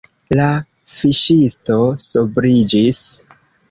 La fiŝisto sobriĝis.